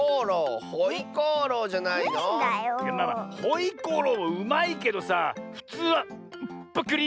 まあまあホイコーローうまいけどさふつうは「っぷくりーむ」。